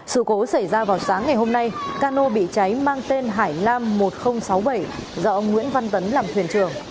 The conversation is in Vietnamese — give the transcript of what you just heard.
sự cố xảy ra vào sáng ngày hôm nay cano bị cháy mang tên hải lam một nghìn sáu mươi bảy do ông nguyễn văn tấn làm thuyền trưởng